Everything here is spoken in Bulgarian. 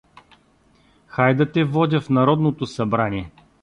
— Хай да те водя в Народното събрание.